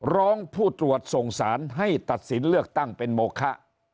ผู้ตรวจส่งสารให้ตัดสินเลือกตั้งเป็นโมคะ